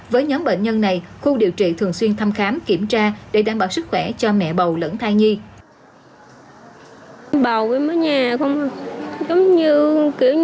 với nhóm bệnh nhân này khu điều trị thường xuyên thăm khám kiểm tra để đảm bảo sức khỏe cho mẹ bầu lẫn thai nhi